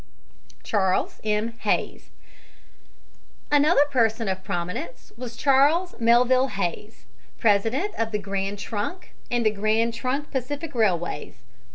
CHARLES M. HAYS Another person of prominence was Charles Melville Hays, president of the Grand Trunk and the Grand Trunk Pacific railways.